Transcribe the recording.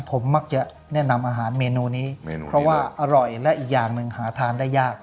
ผมมักจะแนะนำอาหารเมนูนี้เมนูเพราะว่าอร่อยและอีกอย่างหนึ่งหาทานได้ยาก